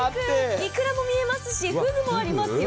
いくらも見えますし、ふぐもありますよ。